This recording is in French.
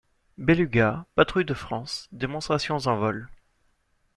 Beluga, patrouille de France, démonstrations en vol.